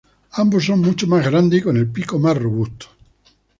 Ambos son mucho más grandes y con el pico más robusto.